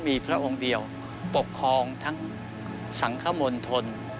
มีพระองค์เดียวปกครองทั้งสังคมลทน